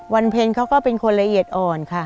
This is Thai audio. วันเพ็ญเขาก็เป็นคนละเอียดอ่อนค่ะ